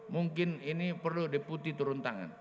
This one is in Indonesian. mungkin ini perlu deputi turun tangan